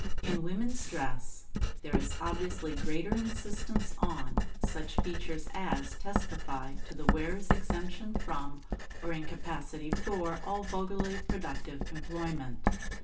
In woman's dress there is obviously greater insistence on such features as testify to the wearer's exemption from or incapacity for all vulgarly productive employment.